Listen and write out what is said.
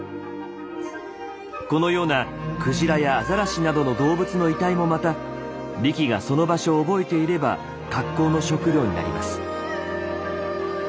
このようなクジラやアザラシなどの動物の遺体もまたリキがその場所を覚えていれば格好の食料になります。